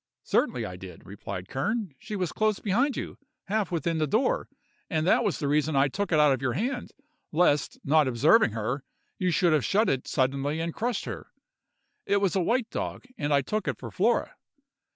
'Certainly I did,' replied Kern, 'she was close behind you—half within the door—and that was the reason I took it out of your hand, lest, not observing her, you should have shut it suddenly and crushed her. It was a white dog, and I took it for Flora.